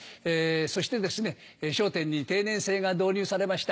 そしてですね、笑点に定年制が導入されました。